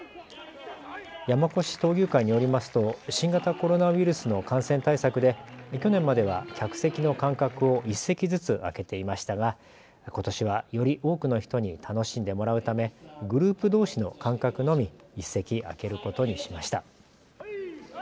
山古志闘牛会によりますと新型コロナウイルスの感染対策で去年までは客席の間隔を１席ずつ空けていましたが、ことしはより多くの人に楽しんでもらうためグループどうしの間隔のみ１席空けることにしました。